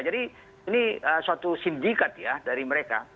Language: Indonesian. jadi ini suatu sindikat ya dari mereka